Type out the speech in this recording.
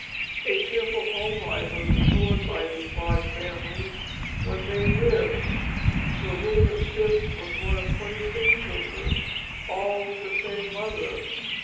A cheerful home life was insured by these large families when they lived. Sir William Phips was one of twenty six children, all with the same mother.